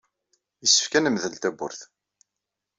Yessefk ad nemdel tawwurt.